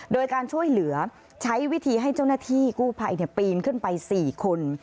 โดยการช่วยเหลือใช้วิธีให้เจ้าหน้าที่กู้ภัยปีนขึ้นไป๔คน